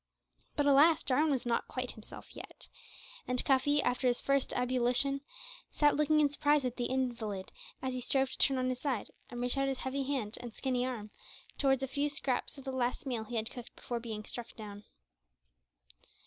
But alas! Jarwin was not quite himself yet, and Cuffy, after his first ebullition, sat looking in surprise at the invalid, as he strove to turn on his side, and reach out his heavy hand and skinny arm towards a few scraps of the last meal he had cooked before being struck down.